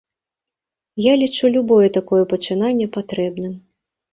Я лічу любое такое пачынанне патрэбным.